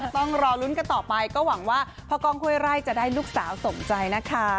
ต้องรอลุ้นกันต่อไปก็หวังว่าพ่อกล้องห้วยไร่จะได้ลูกสาวสมใจนะคะ